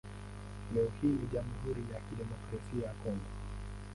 Leo hii ni Jamhuri ya Kidemokrasia ya Kongo.